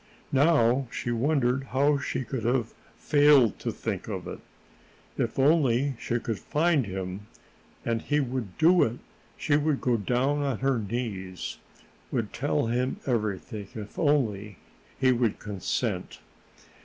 Now she wondered how she could have failed to think of it. If only she could find him and he would do it! She would go down on her knees would tell him everything, if only he would consent.